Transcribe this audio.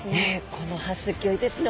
この歯すギョいですね。